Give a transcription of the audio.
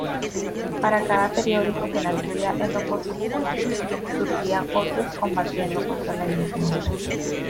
Para cada periódico que nacía en la oposición, surgían otros combatiendo contra la Independencia.